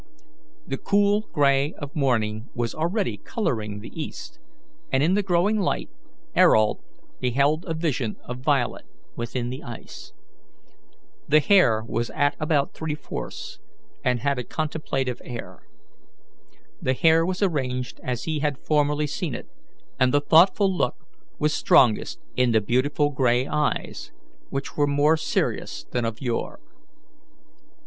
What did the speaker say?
The cold grey of morning was already colouring the east, and in the growing light Ayrault beheld a vision of Violet within the ice. The face was at about three fourths, and had a contemplative air. The hair was arranged as he had formerly seen it, and the thoughtful look was strongest in the beautiful grey eyes, which were more serious than of yore.